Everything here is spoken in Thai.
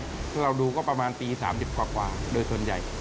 ถ้าเราดูก็ประมาณตี๓๐กว่าโดยส่วนใหญ่